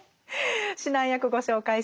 指南役ご紹介します。